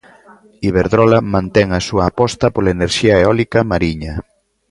Iberdrola mantén a súa aposta pola enerxía eólica mariña.